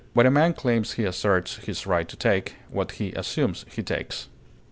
What a man claims he asserts his right to take; what he assumes he takes.